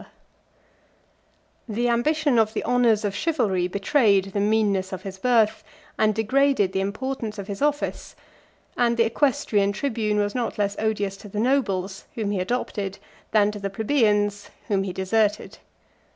] The ambition of the honors of chivalry 36 betrayed the meanness of his birth, and degraded the importance of his office; and the equestrian tribune was not less odious to the nobles, whom he adopted, than to the plebeians, whom he deserted.